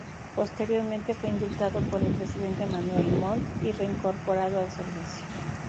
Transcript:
Posteriormente fue indultado por el presidente Manuel Montt y reincorporado al servicio.